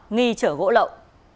nghi chở gỗ lậu